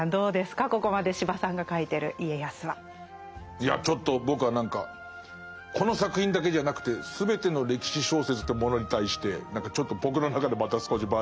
いやちょっと僕は何かこの作品だけじゃなくて全ての歴史小説というものに対してちょっと僕の中でまた少しバージョンアップしてるかも。